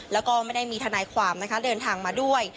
แล้วก็ไม่ได้มีทนายความนะคะเดินทางมาด้วย